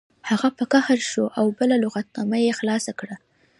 هغه په قهر شو او بله لغتنامه یې خلاصه کړه